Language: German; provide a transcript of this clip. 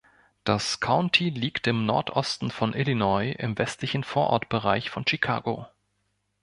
Das County liegt im Nordosten von Illinois im westlichen Vorortbereich von Chicago.